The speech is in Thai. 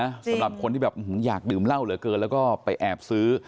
สำหรับคนที่แบบอยากดื่มเหล้าเหลือเกินแล้วก็ไปแอบซื้อ